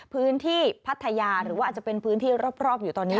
พัทยาหรือว่าอาจจะเป็นพื้นที่รอบอยู่ตอนนี้